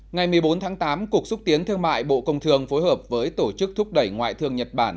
ngày một mươi bốn tháng tám cục xúc tiến thương mại bộ công thương phối hợp với tổ chức thúc đẩy ngoại thương nhật bản